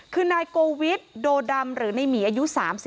คือนายโกวิทโดดำหรือในหมีอายุ๓๒